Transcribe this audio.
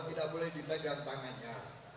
tidak boleh dipegang tangannya